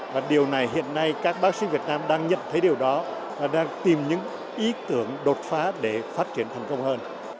và điều này hiện nay các bác sĩ việt nam đang nhận thấy điều đó và đang tìm những ý tưởng đột phá để phát triển thành công hơn